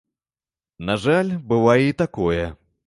На жаль, бывае і такое.